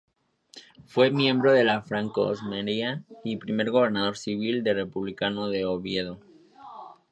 Fue miembro de la francmasonería y primer gobernador civil republicano de Oviedo.